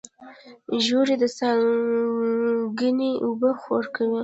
ژورې څاګانې اوبه ورکوي.